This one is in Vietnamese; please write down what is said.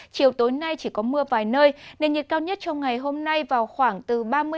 chiều tối nay chỉ có mưa vài nơi nền nhiệt cao nhất trong ngày hôm nay vào khoảng từ